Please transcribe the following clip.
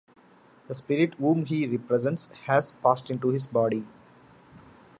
The spirit whom he represents has passed into his body.